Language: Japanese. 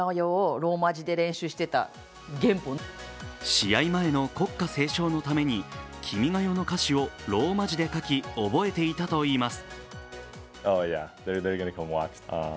試合前の国歌斉唱のために「君が代」の歌詞をローマ字で書き、覚えていたといいます。